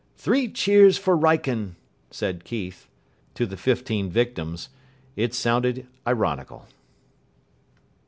"Three cheers for Wrykyn," said Keith. To the fifteen victims it sounded ironical.